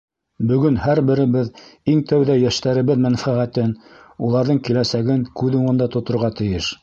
Бөгөн һәр беребеҙ иң тәүҙә йәштәребеҙ мәнфәғәтен, уларҙың киләсәген күҙ уңында тоторға тейеш.